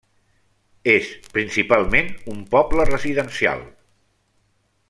És principalment un poble residencial.